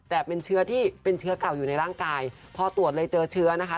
แต่เป็นเชื้อที่เป็นเชื้อเก่าอยู่ในร่างกายพอตรวจเลยเจอเชื้อนะคะ